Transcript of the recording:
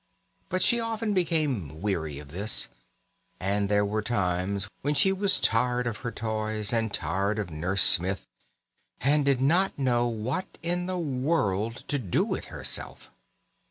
But she often became weary of this; and there were times when she was tired of her toys, and tired of Nurse Smith, and did not know what in the world to do with herself.